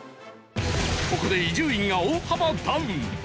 ここで伊集院が大幅ダウン。